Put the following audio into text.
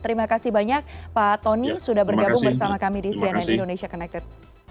terima kasih banyak pak tony sudah bergabung bersama kami di cnn indonesia connected